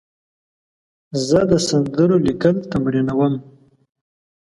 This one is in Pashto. زه د سندرو لیکل تمرینوم.